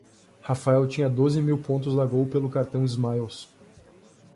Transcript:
Rafael tinha doze mil pontos da Gol pelo cartão Smiles.